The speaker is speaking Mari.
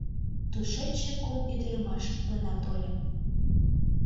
Тушечше кум ӱдырамаш гына тольо.